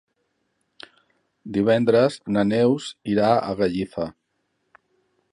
Divendres na Neus irà a Gallifa.